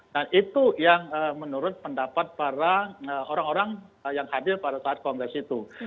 nah itu yang menurut pendapat para orang orang yang hadir pada saat kongres itu